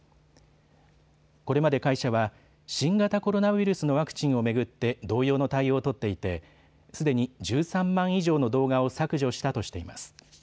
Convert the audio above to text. これまで会社は新型コロナウイルスのワクチンを巡って同様の対応を取っていてすでに１３万以上の動画を削除したとしています。